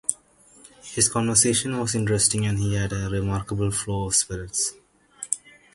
His conversation was interesting, and he had a remarkable flow of spirits.